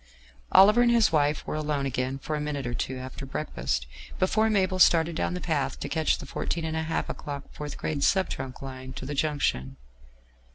Oliver and his wife were alone again for a minute or two after breakfast before Mabel started down the path to catch the 14¹⁄₂ o'clock 4th grade sub trunk line to the junction.